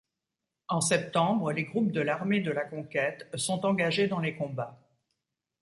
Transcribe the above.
En septembre, les groupes de l'Armée de la conquête sont engagés dans les combats.